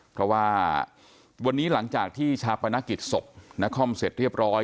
เพราะว่าวันนี้หลังจากที่ชาปนกิจศพนครเสร็จเรียบร้อย